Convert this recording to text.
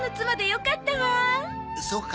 そうか？